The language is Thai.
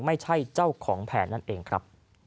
ไม่ใช่เจ้าของแผนนั่นเองครับ